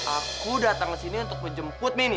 aku datang kesini untuk menjemput mini